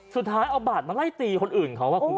สุดท้ายเอาบาทมาไล่ตีคนอื่น